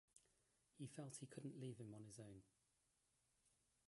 He felt he couldn't leave him on his own.